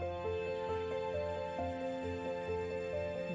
jadi kalau seandainya tidak digembleng